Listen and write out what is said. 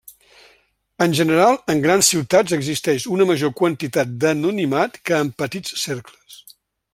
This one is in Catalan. En general, en grans ciutats existeix una major quantitat d'anonimat que en petits cercles.